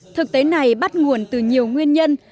thực tế này bắt nguồn từ nhiều nguyên nhân